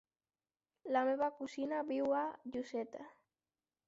La meva cosina viu a Lloseta.